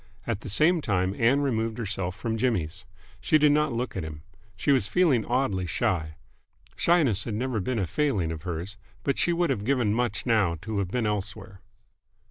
At the same time Ann removed herself from Jimmy's. She did not look at him. She was feeling oddly shy. Shyness had never been a failing of hers, but she would have given much now to have been elsewhere.